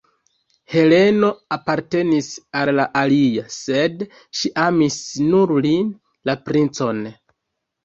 Heleno apartenis al la alia, sed ŝi amis nur lin, la princon.